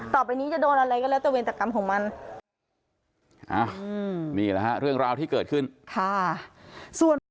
ต่อไปนี้จะโดนอะไรก็แล้วแต่เวรกรรมของมัน